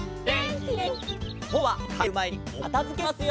きょうはかえるまえにおかたづけしますよ！